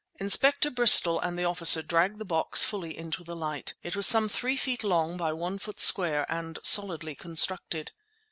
Inspector Bristol and the officer dragged the box fully into the light. It was some three feet long by one foot square, and solidly constructed.